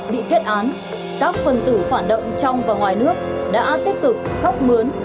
bị kết án các phần tử phản động trong và ngoài nước đã tích cực khóc mướn